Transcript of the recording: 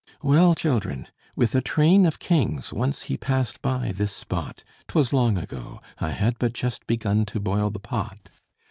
"Well, children with a train of kings, Once he passed by this spot; 'Twas long ago; I had but just Begun to boil the pot.